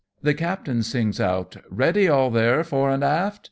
37 the captain sings out, " Ready all there, fore and aft